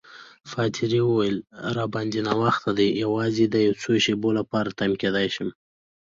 پادري وویل: راباندي ناوخته دی، یوازې د یو څو شېبو لپاره تم کېدای شم.